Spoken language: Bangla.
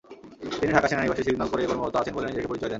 তিনি ঢাকা সেনানিবাসে সিগন্যাল কোরে কর্মরত আছেন বলে নিজেকে পরিচয় দেন।